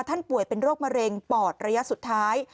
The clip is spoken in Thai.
ป่วยเป็นโรคมะเร็งปอดระยะสุดท้าย